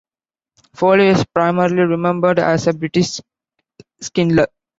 Foley is primarily remembered as a "British Schindler".